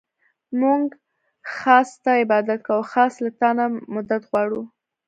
مونږ خاص ستا عبادت كوو او خاص له تا نه مدد غواړو.